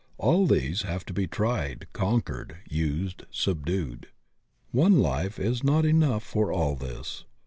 All these have to be tried, conquered, used, subdued. One life is not enough for all this.